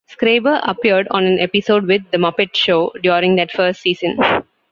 Schreiber appeared on an episode with "The Muppet Show" during that first season.